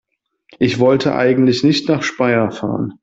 Ich wollte eigentlich nicht nach Speyer fahren